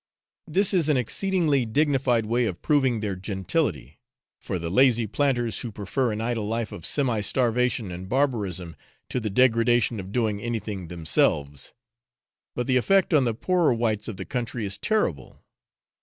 This is an exceedingly dignified way of proving their gentility, for the lazy planters who prefer an idle life of semi starvation and barbarism to the degradation of doing anything themselves; but the effect on the poorer whites of the country is terrible.